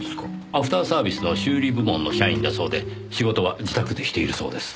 アフターサービスの修理部門の社員だそうで仕事は自宅でしているそうです。